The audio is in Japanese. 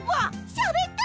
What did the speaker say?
しゃべった！